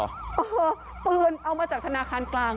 เออปืนเอามาจากธนาคารกลาง